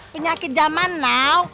penyakit zaman now